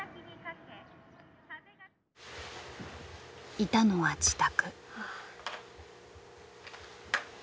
いたのは自宅。